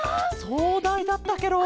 そうだいだったケロ！